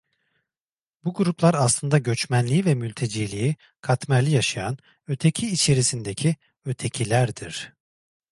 Bu gruplar aslında göçmenliği ve mülteciliği katmerli yaşayan, öteki içerisindeki “öteki”lerdir…